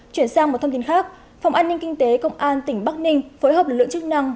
chuyển sang một thông tin khác phòng an ninh kinh tế công an tỉnh bắc ninh phối hợp lực lượng chức năng